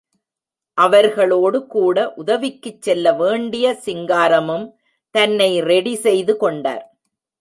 அவர்களோடு கூட உதவிக்குச் செல்ல வேண்டிய சிங்காரமும் தன்னை ரெடி செய்து கொண்டார்.